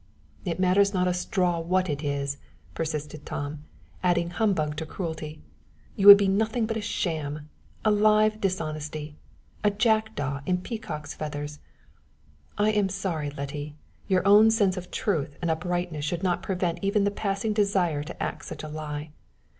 "It matters not a straw what it is," persisted Tom, adding humbug to cruelty. "You would be nothing but a sham! A live dishonesty! A jackdaw in peacock's feathers! I am sorry, Letty, your own sense of truth and uprightness should not prevent even the passing desire to act such a lie.